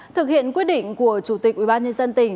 thực hiện quyết định của chủ tịch ubnd tỉnh